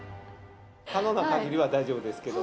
可能な限りは大丈夫ですけども。